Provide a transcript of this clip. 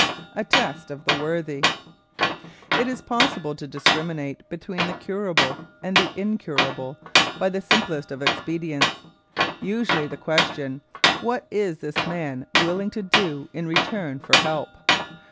A TEST OF THE WORTHY It is possible to discriminate between the curable and the incurable by the simplest of expedients. Usually the question, What is this man willing to do in return for help?